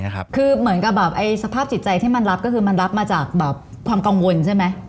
คือเหมือนกับแบบสภาพจิตใจที่มันรับก็คือมันรับมาจากความกังวลใช่ไหม